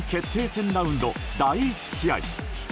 戦ラウンド第１試合。